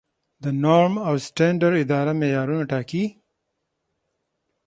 د نورم او سټنډرډ اداره معیارونه ټاکي؟